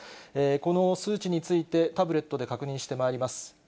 この数値について、タブレットで確認してまいります。